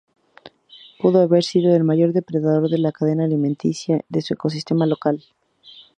Pudo haber sido el mayor depredador en la cadena alimenticia de su ecosistema local.